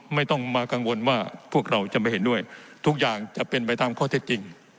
ไม่ต้องมากังวลว่าพวกเราจะไม่เห็นด้วยทุกอย่างจะเป็นไปตามข้อเท็จจริง